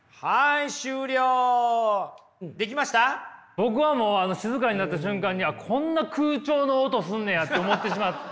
僕はもう静かになった瞬間にこんな空調の音すんねやって思ってしまった。